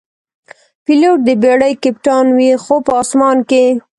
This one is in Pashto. پیلوټ د بېړۍ کپتان وي، خو په آسمان کې.